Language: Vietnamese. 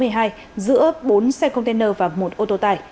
giữa bốn xe container và một ô tô tải